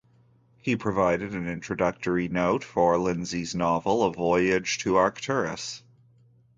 He provided an introductory note for Lindsay's novel A Voyage to Arcturus.